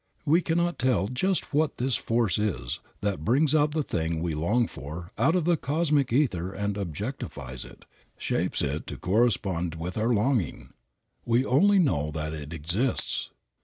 We cannot tell just what this force is that brings the thing we long for out of the cosmic ether and objectifies it, shapes it to correspond with our longing. We only know that it exists.